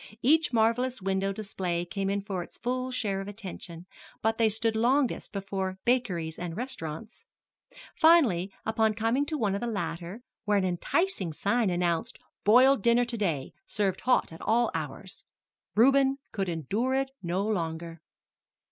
Each marvelous window display came in for its full share of attention, but they stood longest before bakeries and restaurants. Finally, upon coming to one of the latter, where an enticing sign announced "Boiled Dinner To day, Served Hot at All Hours," Reuben could endure it no longer.